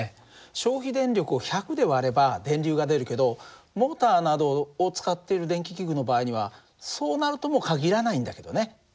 消費電力を１００で割れば電流が出るけどモーターなどを使っている電気器具の場合にはそうなるとも限らないんだけどね。